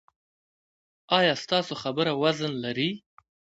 ایا ستاسو خبره وزن لري؟